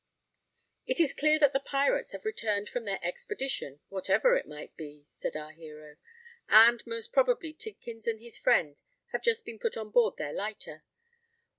"It is clear that the pirates have returned from their expedition, whatever it might be," said our hero; "and most probably Tidkins and his friend have just been put on board their lighter.